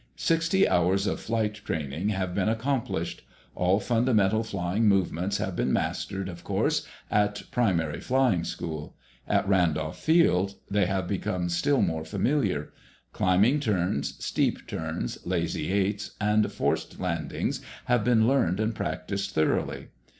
Sixty hours of flight training have been accomplished. All fundamental flying movements have been mastered, of course, at primary flying school. At Randolph Field they have become still more familiar. Climbing turns, steep turns, "lazy eights," and forced landings have been learned and practiced thoroughly.